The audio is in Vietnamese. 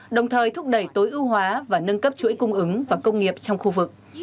đồng thời thúc đẩy tối ưu hóa và nâng cấp chuỗi cung ứng và công nghiệp trong khu vực